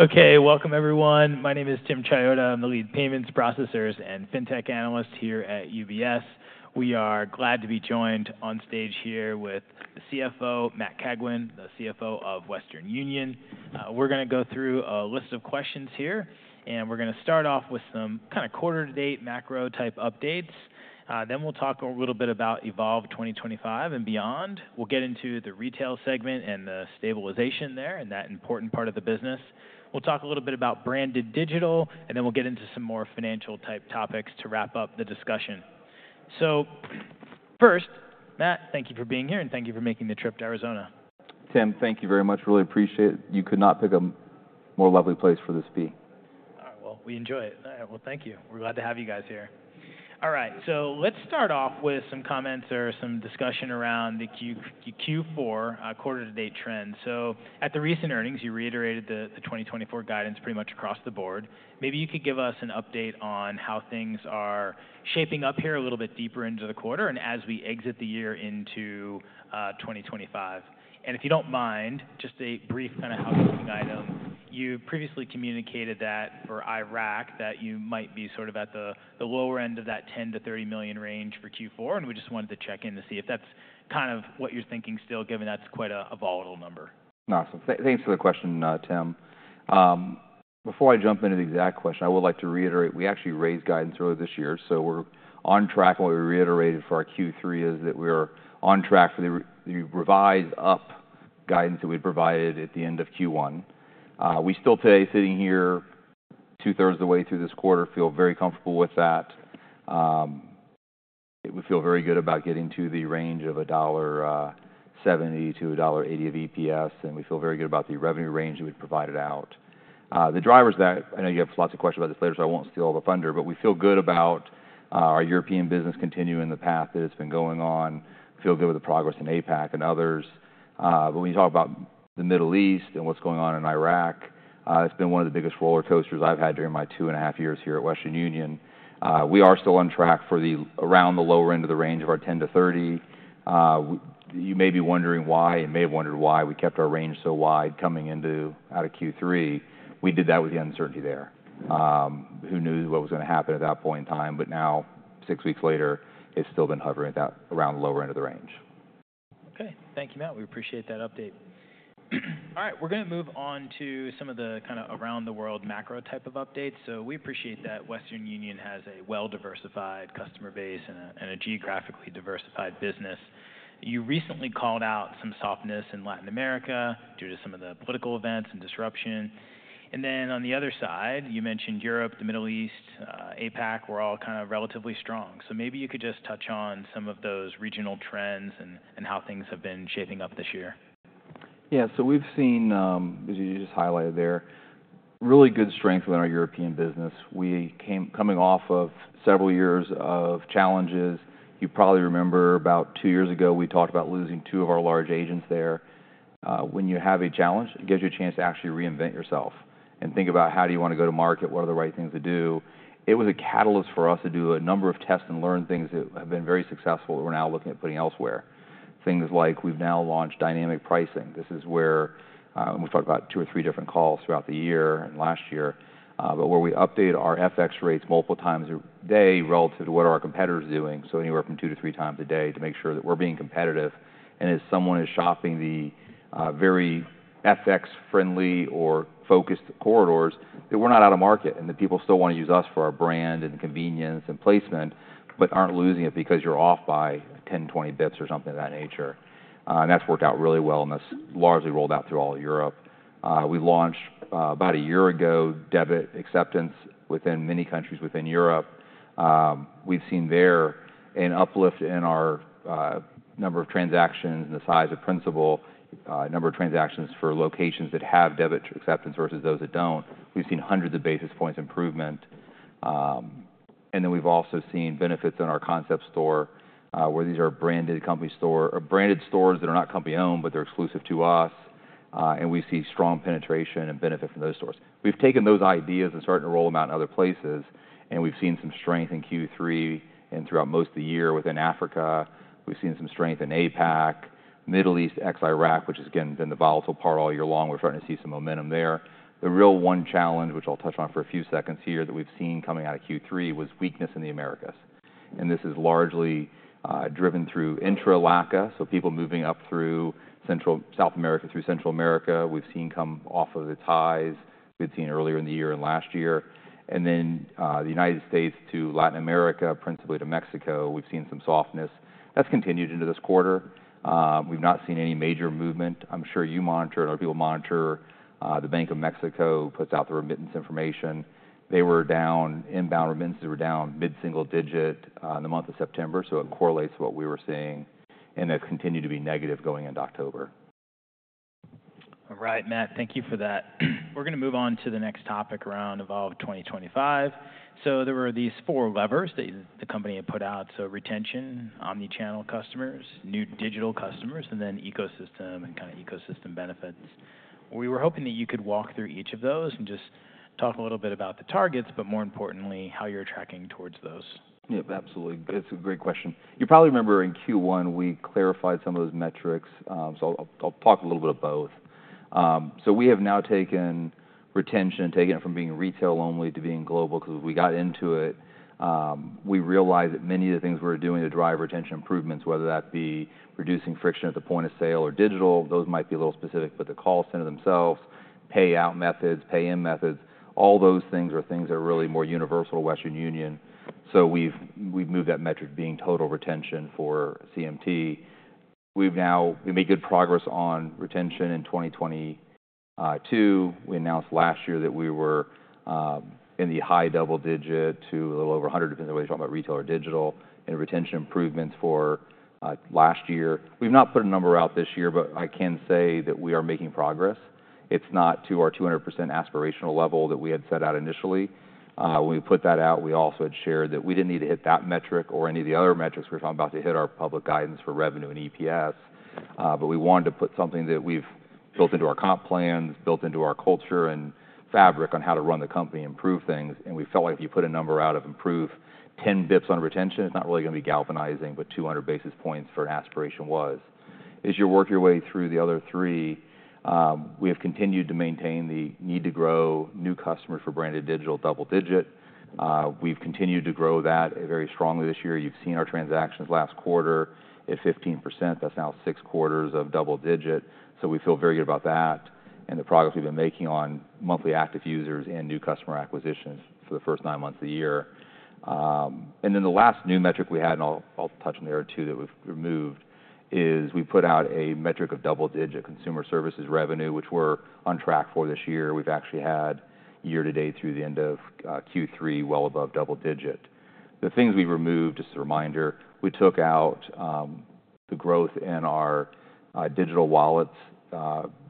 Okay, welcome everyone. My name is Tim Chiodo. I'm the lead payments processors and fintech analyst here at UBS. We are glad to be joined on stage here with the CFO, Matt Cagwin, the CFO of Western Union. We're going to go through a list of questions here, and we're going to start off with some kind of quarter-to-date macro-type updates. Then we'll talk a little bit about Evolve 2025 and beyond. We'll get into the retail segment and the stabilization there and that important part of the business. We'll talk a little bit about branded digital, and then we'll get into some more financial-type topics to wrap up the discussion. So first, Matt, thank you for being here, and thank you for making the trip to Arizona. Tim, thank you very much. Really appreciate it. You could not pick a more lovely place for this to be. All right, well, we enjoy it. Well, thank you. We're glad to have you guys here. All right, so let's start off with some comments or some discussion around the Q4 quarter-to-date trends. So at the recent earnings, you reiterated the 2024 guidance pretty much across the board. Maybe you could give us an update on how things are shaping up here a little bit deeper into the quarter and as we exit the year into 2025. If you don't mind, just a brief kind of housekeeping item. You previously communicated that for Iraq that you might be sort of at the lower end of that $10-30 million range for Q4, and we just wanted to check in to see if that's kind of what you're thinking still, given that's quite a volatile number. Awesome. Thanks for the question, Tim. Before I jump into the exact question, I would like to reiterate we actually raised guidance early this year, so we're on track. What we reiterated for our Q3 is that we're on track for the revised up guidance that we provided at the end of Q1. We still today sitting here two-thirds of the way through this quarter feel very comfortable with that. We feel very good about getting to the range of $1.70-$1.80 of EPS, and we feel very good about the revenue range that we provided out. The drivers that I know you have lots of questions about this later, so I won't steal the thunder, but we feel good about our European business continuing the path that it's been going on. We feel good with the progress in APAC and others. But when you talk about the Middle East and what's going on in Iraq, it's been one of the biggest roller coasters I've had during my two and a half years here at Western Union. We are still on track for around the lower end of the range of our 10-30. You may be wondering why and may have wondered why we kept our range so wide coming out of Q3. We did that with the uncertainty there. Who knew what was going to happen at that point in time? But now, six weeks later, it's still been hovering around the lower end of the range. Okay, thank you, Matt. We appreciate that update. All right, we're going to move on to some of the kind of around-the-world macro-type of updates. So we appreciate that Western Union has a well-diversified customer base and a geographically diversified business. You recently called out some softness in Latin America due to some of the political events and disruption. And then on the other side, you mentioned Europe, the Middle East, APAC were all kind of relatively strong. So maybe you could just touch on some of those regional trends and how things have been shaping up this year. Yeah, so we've seen, as you just highlighted there, really good strength within our European business. We're coming off of several years of challenges. You probably remember about two years ago we talked about losing two of our large agents there. When you have a challenge, it gives you a chance to actually reinvent yourself and think about how do you want to go to market, what are the right things to do. It was a catalyst for us to do a number of test and learn things that have been very successful that we're now looking at putting elsewhere. Things like we've now launched dynamic pricing. This is where we've talked about two or three different calls throughout the year and last year, but where we update our FX rates multiple times a day relative to what our competitors are doing. Anywhere from two to three times a day to make sure that we're being competitive. As someone is shopping the very FX-friendly or focused corridors, that we're not out of market and that people still want to use us for our brand and convenience and placement, but aren't losing it because you're off by 10-20 bips or something of that nature. That's worked out really well and that's largely rolled out through all of Europe. We launched about a year ago debit acceptance within many countries within Europe. We've seen there an uplift in our number of transactions and the size of principal, number of transactions for locations that have debit acceptance versus those that don't. We've seen hundreds of basis points improvement. And then we've also seen benefits in our concept store where these are branded company stores, branded stores that are not company-owned, but they're exclusive to us. And we see strong penetration and benefit from those stores. We've taken those ideas and started to roll them out in other places, and we've seen some strength in Q3 and throughout most of the year within Africa. We've seen some strength in APAC, Middle East, ex-Iraq, which has again been the volatile part all year long. We're starting to see some momentum there. The real challenge, which I'll touch on for a few seconds here that we've seen coming out of Q3, was weakness in the Americas. And this is largely driven through intra-LACA, so people moving up through Central South America through Central America. We've seen come off of the highs we'd seen earlier in the year and last year. Then the United States to Latin America, principally to Mexico, we've seen some softness. That's continued into this quarter. We've not seen any major movement. I'm sure you monitor it, or people monitor the Banco de México puts out the remittance information. They were down, inbound remittances were down mid-single digit in the month of September, so it correlates to what we were seeing and that continued to be negative going into October. All right, Matt, thank you for that. We're going to move on to the next topic around Evolve 2025. So there were these four levers that the company had put out: so retention, omnichannel customers, new digital customers, and then ecosystem and kind of ecosystem benefits. We were hoping that you could walk through each of those and just talk a little bit about the targets, but more importantly, how you're tracking towards those. Yep, absolutely. It's a great question. You probably remember in Q1 we clarified some of those metrics, so I'll talk a little bit of both. So we have now taken retention, taken it from being retail only to being global because we got into it. We realized that many of the things we're doing to drive retention improvements, whether that be reducing friction at the point of sale or digital, those might be a little specific, but the call center themselves, payout methods, pay-in methods, all those things are things that are really more universal to Western Union. So we've moved that metric being total retention for CMT. We've now made good progress on retention in 2022. We announced last year that we were in the high double digit to a little over 100, depending on whether you're talking about retail or digital, and retention improvements for last year. We've not put a number out this year, but I can say that we are making progress. It's not to our 200% aspirational level that we had set out initially. When we put that out, we also had shared that we didn't need to hit that metric or any of the other metrics we're talking about to hit our public guidance for revenue and EPS, but we wanted to put something that we've built into our comp plans, built into our culture and fabric on how to run the company and improve things, and we felt like if you put a number out to improve 10 bips on retention, it's not really going to be galvanizing, but 200 basis points for an aspiration was. As you work your way through the other three, we have continued to maintain the need to grow new customers for branded digital double digit. We've continued to grow that very strongly this year. You've seen our transactions last quarter at 15%. That's now six quarters of double digit, so we feel very good about that and the progress we've been making on monthly active users and new customer acquisitions for the first nine months of the year, and then the last new metric we had, and I'll touch on there too, that we've removed is we put out a metric of double digit Consumer Services revenue, which we're on track for this year. We've actually had year-to-date through the end of Q3 well above double digit. The things we removed, just a reminder, we took out the growth in our digital wallets.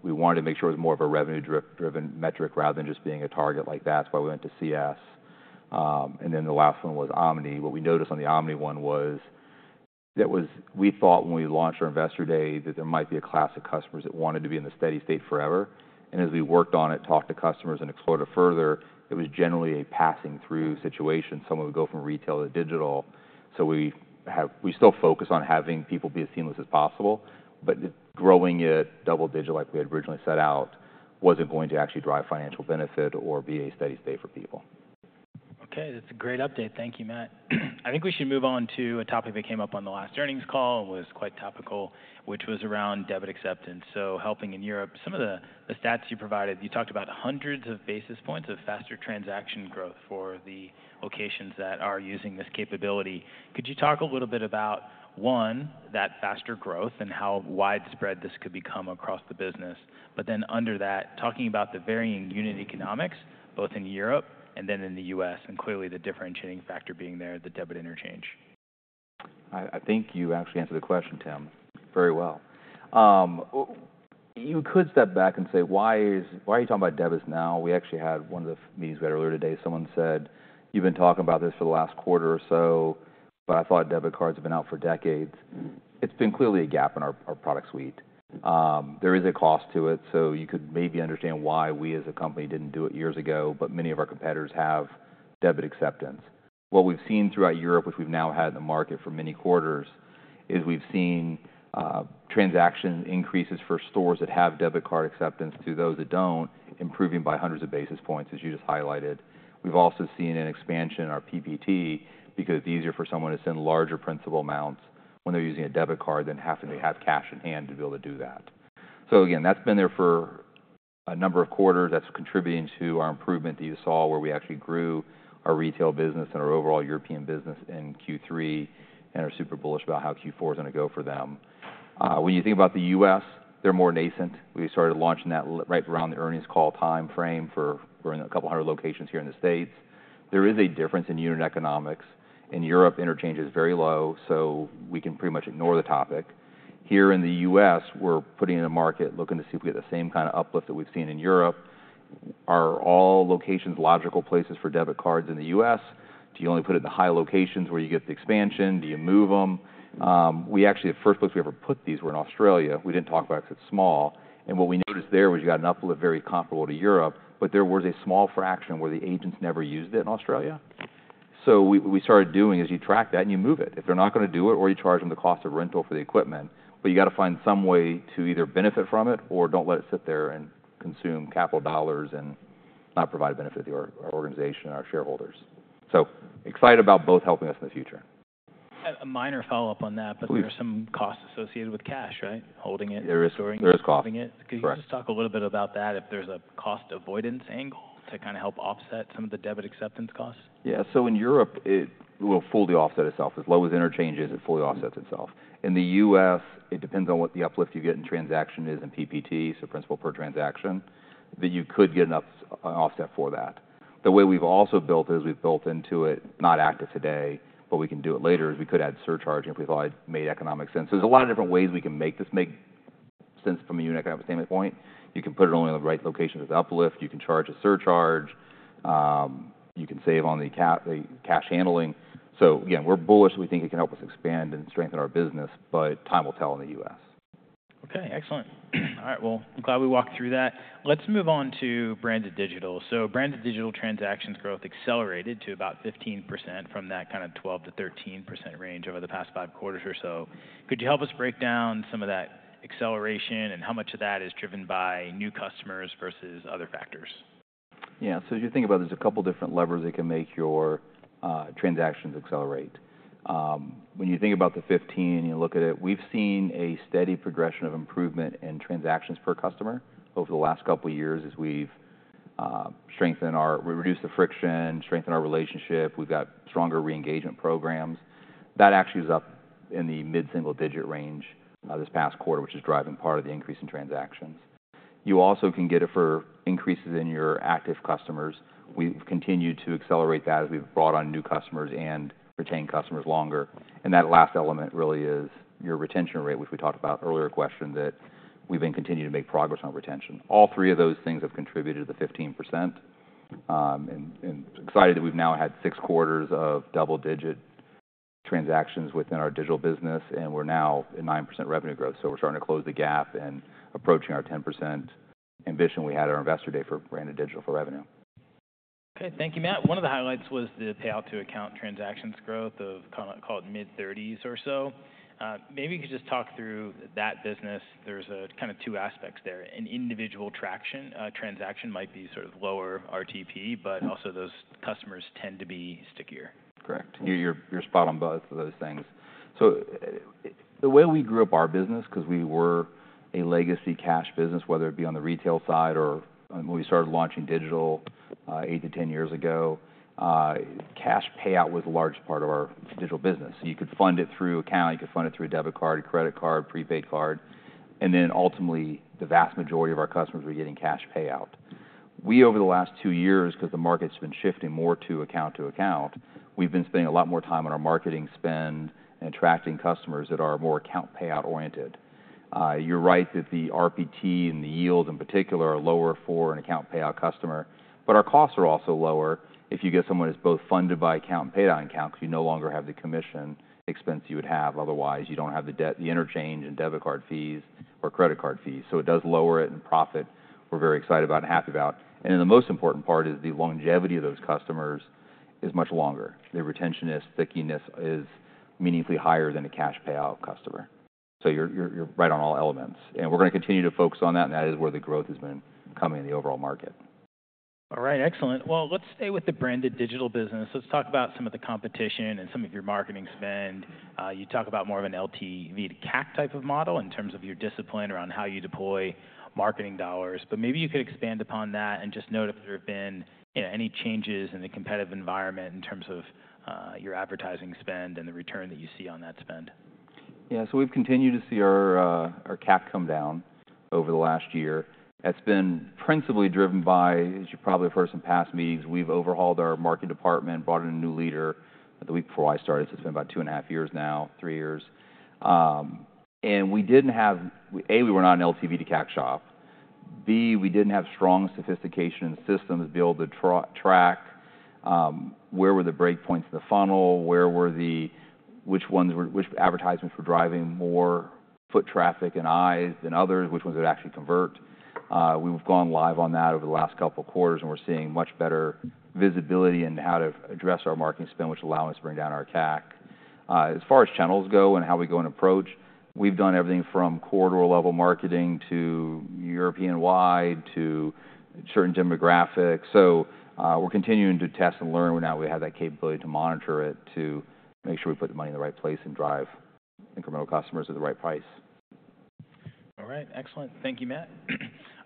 We wanted to make sure it was more of a revenue-driven metric rather than just being a target like that. That's why we went to CS. And then the last one was Omni. What we noticed on the Omni one was that we thought when we launched our investor day that there might be a class of customers that wanted to be in the steady state forever. And as we worked on it, talked to customers and explored it further, it was generally a passing-through situation. Someone would go from retail to digital. So we still focus on having people be as seamless as possible, but growing it double-digit like we had originally set out wasn't going to actually drive financial benefit or be a steady state for people. Okay, that's a great update. Thank you, Matt. I think we should move on to a topic that came up on the last earnings call and was quite topical, which was around debit acceptance. So helping in Europe, some of the stats you provided, you talked about hundreds of basis points of faster transaction growth for the locations that are using this capability. Could you talk a little bit about, one, that faster growth and how widespread this could become across the business? But then under that, talking about the varying unit economics both in Europe and then in the U.S., and clearly the differentiating factor being there, the debit interchange? I think you actually answered the question, Tim, very well. You could step back and say, why are you talking about debits now? We actually had one of the meetings we had earlier today. Someone said, you've been talking about this for the last quarter or so, but I thought debit cards have been out for decades. It's been clearly a gap in our product suite. There is a cost to it, so you could maybe understand why we as a company didn't do it years ago, but many of our competitors have debit acceptance. What we've seen throughout Europe, which we've now had in the market for many quarters, is we've seen transaction increases for stores that have debit card acceptance to those that don't, improving by hundreds of basis points, as you just highlighted. We've also seen an expansion in our PPT because it's easier for someone to send larger principal amounts when they're using a debit card than having to have cash in hand to be able to do that. So again, that's been there for a number of quarters. That's contributing to our improvement that you saw where we actually grew our retail business and our overall European business in Q3 and are super bullish about how Q4 is going to go for them. When you think about the U.S., they're more nascent. We started launching that right around the earnings call timeframe for a couple hundred locations here in the States. There is a difference in unit economics. In Europe, interchange is very low, so we can pretty much ignore the topic. Here in the U.S., we're putting in a market looking to see if we get the same kind of uplift that we've seen in Europe. Are all locations logical places for debit cards in the U.S.? Do you only put it in the high locations where you get the expansion? Do you move them? We actually, the first place we ever put these were in Australia. We didn't talk about it because it's small, and what we noticed there was you got an uplift very comparable to Europe, but there was a small fraction where the agents never used it in Australia, so what we started doing is you track that and you move it. If they're not going to do it or you charge them the cost of rental for the equipment, but you got to find some way to either benefit from it or don't let it sit there and consume capital dollars and not provide benefit to our organization and our shareholders. So excited about both helping us in the future. A minor follow-up on that, but there are some costs associated with cash, right? Holding it, storing it. There is cost. Could you just talk a little bit about that? If there's a cost avoidance angle to kind of help offset some of the debit acceptance costs? Yeah, so in Europe, it will fully offset itself. As low as interchange is, it fully offsets itself. In the U.S., it depends on what the uplift you get in transaction is in PPT, so principal per transaction, that you could get an offset for that. The way we've also built it is we've built into it, not active today, but we can do it later is we could add surcharging if we thought it made economic sense. So there's a lot of different ways we can make this make sense from a unit economic standpoint. You can put it only in the right locations with uplift. You can charge a surcharge. You can save on the cash handling. So again, we're bullish. We think it can help us expand and strengthen our business, but time will tell in the U.S.. Okay, excellent. All right, well, I'm glad we walked through that. Let's move on to Branded Digital. So Branded Digital transactions growth accelerated to about 15% from that kind of 12%-13% range over the past five quarters or so. Could you help us break down some of that acceleration and how much of that is driven by new customers versus other factors? Yeah, so as you think about it, there's a couple different levers that can make your transactions accelerate. When you think about the 15% and you look at it, we've seen a steady progression of improvement in transactions per customer over the last couple of years as we've strengthened our, we reduced the friction, strengthened our relationship. We've got stronger re-engagement programs. That actually was up in the mid-single digit range this past quarter, which is driving part of the increase in transactions. You also can get it for increases in your active customers. We've continued to accelerate that as we've brought on new customers and retained customers longer. And that last element really is your retention rate, which we talked about earlier question that we've been continuing to make progress on retention. All three of those things have contributed to the 15%. Excited that we've now had six quarters of double digit transactions within our digital business and we're now at 9% revenue growth. So we're starting to close the gap and approaching our 10% ambition we had at our investor day for branded digital for revenue. Okay, thank you, Matt. One of the highlights was the payout to account transactions growth of kind of called mid-30s or so. Maybe you could just talk through that business. There's kind of two aspects there. An individual transaction might be sort of lower RPT, but also those customers tend to be stickier. Correct. You're spot on both of those things. So the way we grew our business, because we were a legacy cash business, whether it be on the retail side or when we started launching digital eight to 10 years ago, cash payout was the largest part of our digital business. So you could fund it through account, you could fund it through debit card, credit card, prepaid card. And then ultimately, the vast majority of our customers were getting cash payout. We, over the last two years, because the market's been shifting more to account to account, we've been spending a lot more time on our marketing spend and attracting customers that are more account payout oriented. You're right that the RPT and the yield in particular are lower for an account payout customer, but our costs are also lower if you get someone who's both funded by account and paid out account because you no longer have the commission expense you would have otherwise. You don't have the interchange and debit card fees or credit card fees. So it does lower it in profit. We're very excited about and happy about. And then the most important part is the longevity of those customers is much longer. Their retention and stickiness is meaningfully higher than a cash payout customer. So you're right on all elements. And we're going to continue to focus on that, and that is where the growth has been coming in the overall market. All right, excellent. Well, let's stay with the branded digital business. Let's talk about some of the competition and some of your marketing spend. You talk about more of an LTV to CAC type of model in terms of your discipline around how you deploy marketing dollars, but maybe you could expand upon that and just note if there have been any changes in the competitive environment in terms of your advertising spend and the return that you see on that spend. Yeah, so we've continued to see our CAC come down over the last year. That's been principally driven by, as you probably have heard from past meetings, we've overhauled our marketing department, brought in a new leader the week before I started. So it's been about two and a half years now, three years. And we didn't have, A, we were not an LTV to CAC shop. B, we didn't have strong sophistication and systems to be able to track where were the breakpoints in the funnel, where were the, which advertisements were driving more foot traffic and eyes than others, which ones would actually convert. We've gone live on that over the last couple of quarters, and we're seeing much better visibility in how to address our marketing spend, which allowed us to bring down our CAC. As far as channels go and how we go and approach, we've done everything from quarter level marketing to European wide to certain demographics. So we're continuing to test and learn, now we have that capability to monitor it to make sure we put the money in the right place and drive incremental customers at the right price. All right, excellent. Thank you, Matt.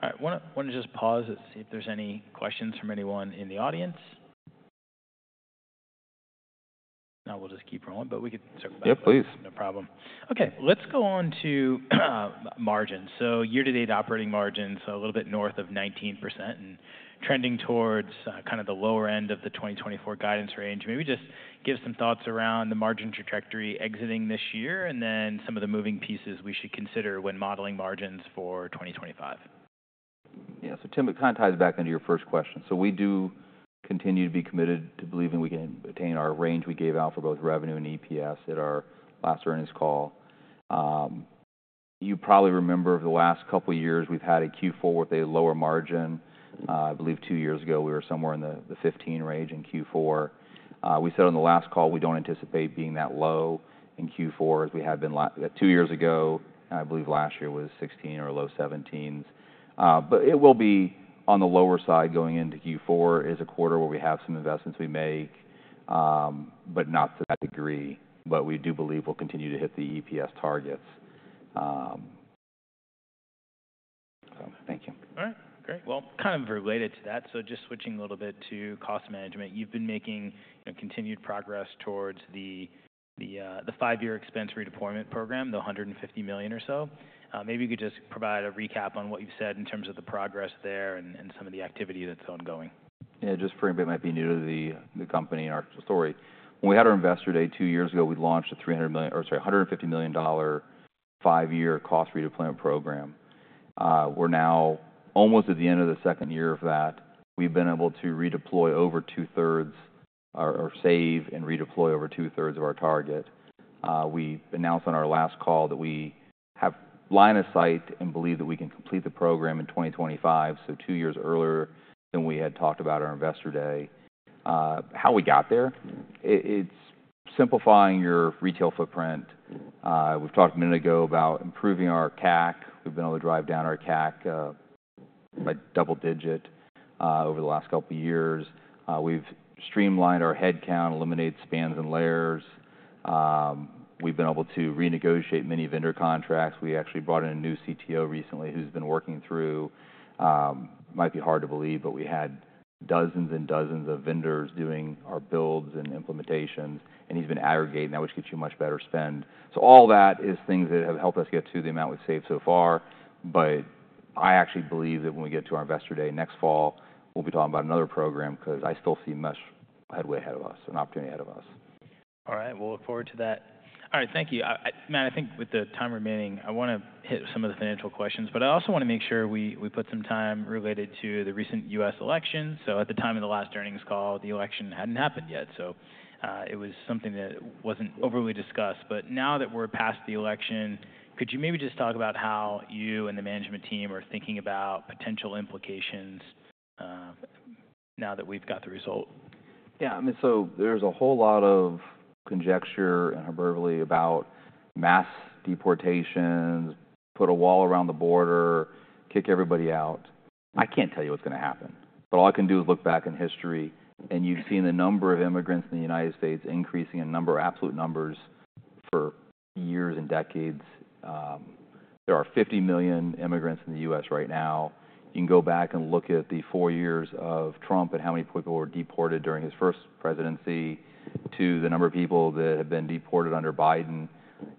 All right, I want to just pause and see if there's any questions from anyone in the audience. Now we'll just keep rolling, but we could circle back. Yep, please. No problem. Okay, let's go on to margins. So year-to-date operating margins, a little bit north of 19% and trending towards kind of the lower end of the 2024 guidance range. Maybe just give some thoughts around the margin trajectory exiting this year and then some of the moving pieces we should consider when modeling margins for 2025. Yeah, so Tim, it kind of ties back into your first question. So we do continue to be committed to believing we can attain our range we gave out for both revenue and EPS at our last earnings call. You probably remember the last couple of years we've had a Q4 with a lower margin. I believe two years ago we were somewhere in the 15 range in Q4. We said on the last call we don't anticipate being that low in Q4 as we had been two years ago, and I believe last year was 16 or low 17s. But it will be on the lower side going into Q4, is a quarter where we have some investments we make, but not to that degree. But we do believe we'll continue to hit the EPS targets. So thank you. All right, great. Well, kind of related to that, so just switching a little bit to cost management, you've been making continued progress towards the five-year expense redeployment program, the $150 million or so. Maybe you could just provide a recap on what you've said in terms of the progress there and some of the activity that's ongoing. Yeah, just for anybody that might be new to the company and our story. When we had our investor day two years ago, we launched a $300 million or sorry, $150 million five-year cost redeployment program. We're now almost at the end of the second year of that. We've been able to redeploy over two-thirds or save and redeploy over two-thirds of our target. We announced on our last call that we have line of sight and believe that we can complete the program in 2025, so two years earlier than we had talked about our investor day. How we got there? It's simplifying your retail footprint. We've talked a minute ago about improving our CAC. We've been able to drive down our CAC by double digit over the last couple of years. We've streamlined our headcount, eliminated spans and layers. We've been able to renegotiate many vendor contracts. We actually brought in a new CTO recently who's been working through, might be hard to believe, but we had dozens and dozens of vendors doing our builds and implementations, and he's been aggregating that, which gets you much better spend. So all that is things that have helped us get to the amount we've saved so far. But I actually believe that when we get to our investor day next fall, we'll be talking about another program because I still see much headway ahead of us, an opportunity ahead of us. All right, we'll look forward to that. All right, thank you. Matt, I think with the time remaining, I want to hit some of the financial questions, but I also want to make sure we put some time related to the recent U.S. election. So at the time of the last earnings call, the election hadn't happened yet, so it was something that wasn't overly discussed. But now that we're past the election, could you maybe just talk about how you and the management team are thinking about potential implications now that we've got the result? Yeah, I mean, so there's a whole lot of conjecture and hyperbole about mass deportations, put a wall around the border, kick everybody out. I can't tell you what's going to happen, but all I can do is look back in history, and you've seen the number of immigrants in the United States increasing in number, absolute numbers for years and decades. There are 50 million immigrants in the U.S. right now. You can go back and look at the four years of Trump and how many people were deported during his first presidency to the number of people that have been deported under Biden.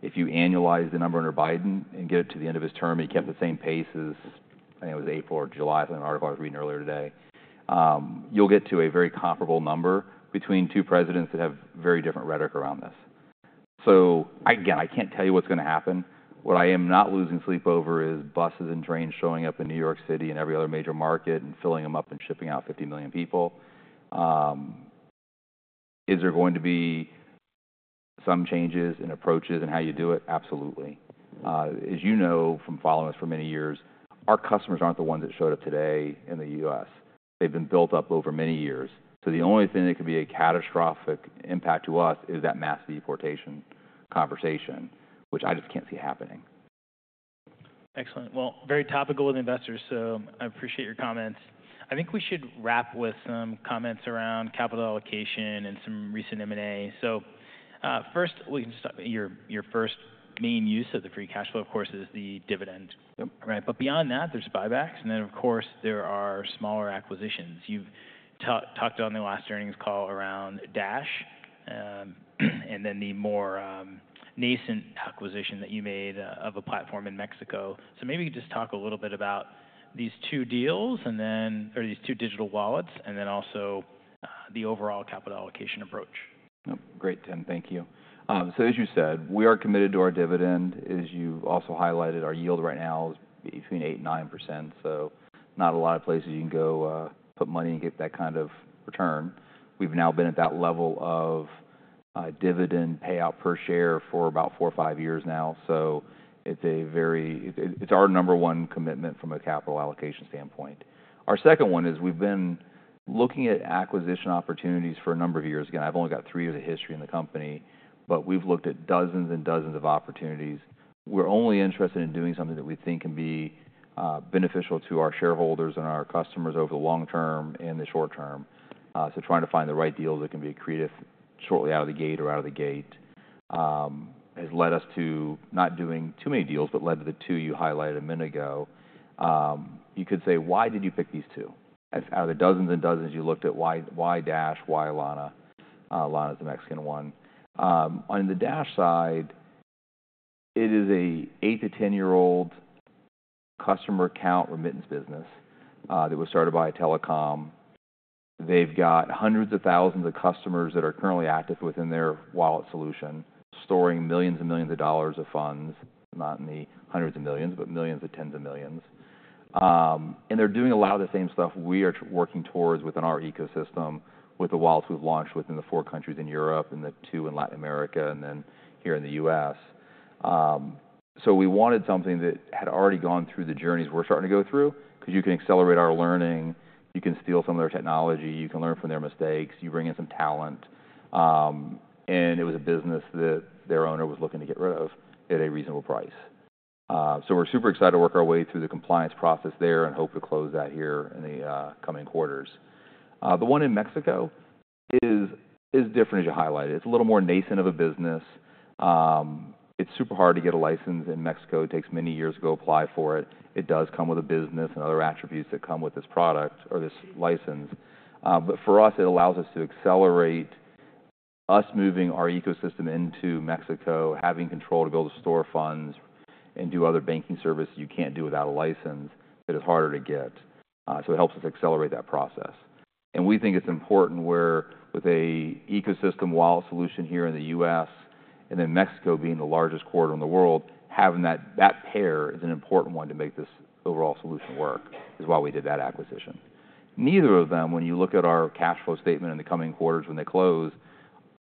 If you annualize the number under Biden and get it to the end of his term, he kept the same pace as, I think it was April or July, I think an article I was reading earlier today. You'll get to a very comparable number between two presidents that have very different rhetoric around this. So again, I can't tell you what's going to happen. What I am not losing sleep over is buses and trains showing up in New York City and every other major market and filling them up and shipping out 50 million people. Is there going to be some changes in approaches and how you do it? Absolutely. As you know from following us for many years, our customers aren't the ones that showed up today in the U.S. They've been built up over many years. So the only thing that could be a catastrophic impact to us is that mass deportation conversation, which I just can't see happening. Excellent. Well, very topical with investors, so I appreciate your comments. I think we should wrap with some comments around capital allocation and some recent M&A. So first, your first main use of the free cash flow, of course, is the dividend. Yep. Right, but beyond that, there's buybacks, and then of course there are smaller acquisitions. You've talked on the last earnings call around Dash and then the more nascent acquisition that you made of a platform in Mexico. So maybe you could just talk a little bit about these two deals and then, or these two digital wallets and then also the overall capital allocation approach. Yep, great, Tim, thank you. So as you said, we are committed to our dividend. As you also highlighted, our yield right now is between 8% and 9%. So not a lot of places you can go put money and get that kind of return. We've now been at that level of dividend payout per share for about four or five years now. So it's our number one commitment from a capital allocation standpoint. Our second one is we've been looking at acquisition opportunities for a number of years. Again, I've only got three years of history in the company, but we've looked at dozens and dozens of opportunities. We're only interested in doing something that we think can be beneficial to our shareholders and our customers over the long term and the short term. So trying to find the right deal that can be creative shortly out of the gate or out of the gate has led us to not doing too many deals, but led to the two you highlighted a minute ago. You could say, why did you pick these two? Out of the dozens and dozens you looked at, why Dash, why Lana? Lana is the Mexican one. On the Dash side, it is an eight-to-ten-year-old customer account remittance business that was started by a telecom. They've got hundreds of thousands of customers that are currently active within their wallet solution, storing millions and millions of dollars of funds, not in the hundreds of millions, but millions of tens of millions. They're doing a lot of the same stuff we are working towards within our ecosystem with the wallets we've launched within the four countries in Europe and the two in Latin America and then here in the U.S. We wanted something that had already gone through the journeys we're starting to go through because you can accelerate our learning, you can steal some of their technology, you can learn from their mistakes, you bring in some talent. It was a business that their owner was looking to get rid of at a reasonable price. We're super excited to work our way through the compliance process there and hope to close that here in the coming quarters. The one in Mexico is different as you highlighted. It's a little more nascent of a business. It's super hard to get a license in Mexico. It takes many years to go apply for it. It does come with a business and other attributes that come with this product or this license, but for us, it allows us to accelerate us moving our ecosystem into Mexico, having control to be able to store funds and do other banking services you can't do without a license that is harder to get, so it helps us accelerate that process, and we think it's important where with an ecosystem wallet solution here in the U.S. and then Mexico being the largest corridor in the world, having that pair is an important one to make this overall solution work is why we did that acquisition. Neither of them, when you look at our cash flow statement in the coming quarters when they close,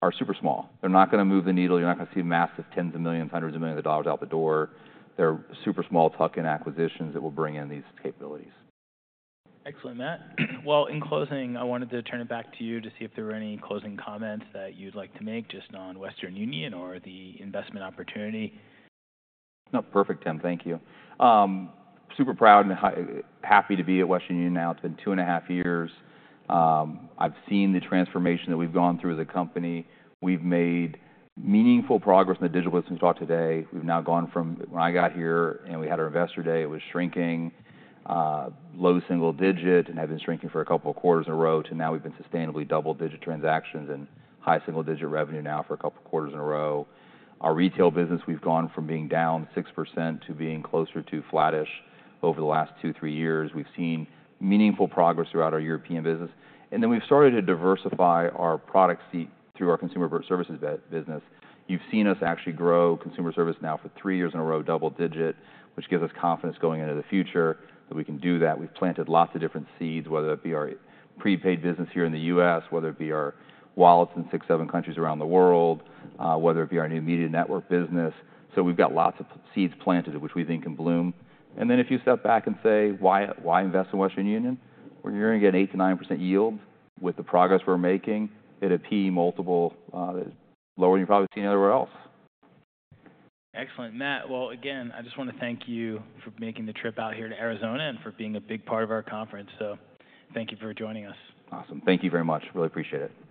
are super small. They're not going to move the needle. You're not going to see massive tens of millions, hundreds of millions of dollars out the door. They're super small tuck-in acquisitions that will bring in these capabilities. Excellent, Matt. Well, in closing, I wanted to turn it back to you to see if there were any closing comments that you'd like to make just on Western Union or the investment opportunity. No, perfect, Tim, thank you. Super proud and happy to be at Western Union now. It's been two and a half years. I've seen the transformation that we've gone through as a company. We've made meaningful progress in the digital business we talked about today. We've now gone from when I got here and we had our investor day, it was shrinking, low single digit, and had been shrinking for a couple of quarters in a row to now we've been sustainably double digit transactions and high single digit revenue now for a couple of quarters in a row. Our retail business, we've gone from being down 6% to being closer to flattish over the last two, three years. We've seen meaningful progress throughout our European business. And then we've started to diversify our product suite through our consumer services business. You've seen us actually grow Consumer Services now for three years in a row, double digit, which gives us confidence going into the future that we can do that. We've planted lots of different seeds, whether it be our prepaid business here in the U.S., whether it be our wallets in six, seven countries around the world, whether it be our new media network business, so we've got lots of seeds planted which we think can bloom, and then if you step back and say, why invest in Western Union? We're going to get an 8%-9% yield with the progress we're making at a P/E multiple that is lower than you've probably seen anywhere else. Excellent, Matt. Well, again, I just want to thank you for making the trip out here to Arizona and for being a big part of our conference. So thank you for joining us. Awesome. Thank you very much. Really appreciate it.